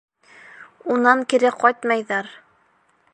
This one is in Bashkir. Унан кире ҡайтмайҙар...